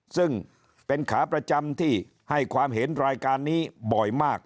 ซึ่งเป็นขาประจำที่ให้ความเห็นรายการนี้บ่อยมาก